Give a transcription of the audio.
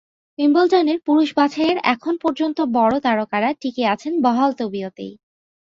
উইম্বলডনের পুরুষ বাছাইয়ের এখন পর্যন্ত বড় তারকারা টিকে আছেন বহাল তবিয়তেই।